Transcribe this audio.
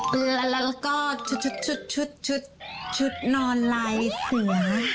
แล้วเล่าร้อนลายเสือ